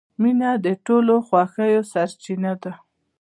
• مینه د ټولو خوښیو سرچینه ده.